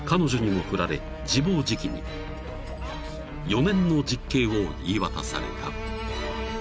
［４年の実刑を言い渡された］